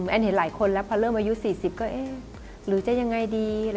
แอนเห็นหลายคนแล้วพอเริ่มอายุ๔๐ก็เอ๊ะหรือจะยังไงดี